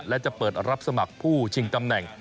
และจะเปิดรับสมัครผู้ชิงตำแหน่ง